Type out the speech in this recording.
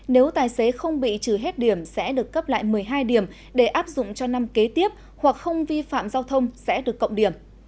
nếu tài xế không bị trừ hết điểm sẽ được cấp lại một mươi hai điểm để áp dụng cho năm kế tiếp hoặc không vi phạm giao thông sẽ được cộng điểm